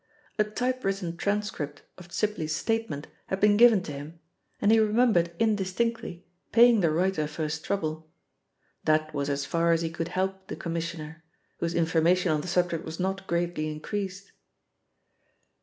A typewritten transcript of Sibly's statement had been given to him, and he remembered indistinctly paying the writer for his trouble. That was as far as he could help the Commissioner, whose information on the subject was not greatly increased.